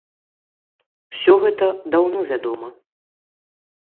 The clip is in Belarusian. Усё гэта даўно вядома.